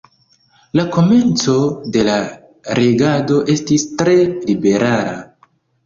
La komenco de la regado estis tre liberala.